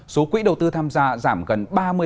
số quỹ đầu tư tham gia giảm gần ba mươi